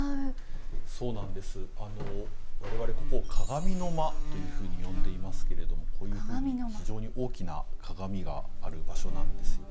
あの我々ここを鏡の間というふうに呼んでいますけれどもこういうふうに非常に大きな鏡がある場所なんです。